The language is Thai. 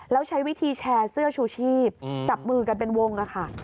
แล้วใช้วิธีแชร์เสื้อชูชีพจับมือกันเป็นวงค่ะ